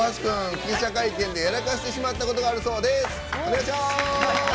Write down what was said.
記者会見でやらかしてしまったことがあるそうです。